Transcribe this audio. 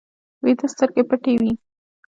ویده سترګې پټې وي